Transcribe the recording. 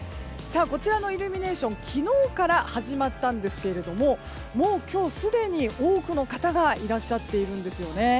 こちらのイルミネーション昨日から始まったんですけどももう、今日すでに多くの方がいらっしゃっているんですよね。